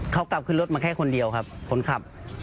เขากลับขึ้นรถมาแค่คนเดียวครับคนขับ